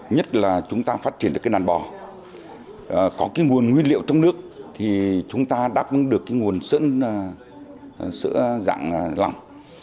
nhất là chúng ta phát triển được cái nàn bò có cái nguồn nguyên liệu trong nước thì chúng ta đã đáp ứng được cái nguồn sữa dạng lòng